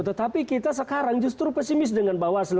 tetapi kita sekarang justru pesimis dengan bawaslu